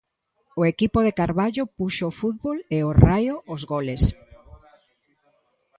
O equipo de Carballo puxo o fútbol e o Raio os goles.